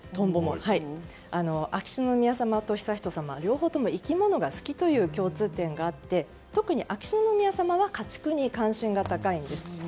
秋篠宮さまと悠仁さまは両方とも生き物が好きという共通点があって特に秋篠宮さまは家畜に関心が高いんです。